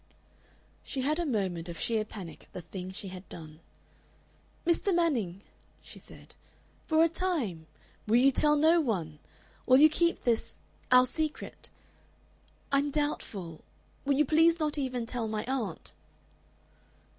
She had a moment of sheer panic at the thing she had done. "Mr. Manning," she said, "for a time Will you tell no one? Will you keep this our secret? I'm doubtful Will you please not even tell my aunt?"